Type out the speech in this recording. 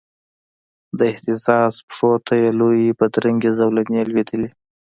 د اهتزاز پښو ته یې لویي بدرنګې زولنې لویدلې